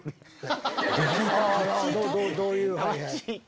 どういう？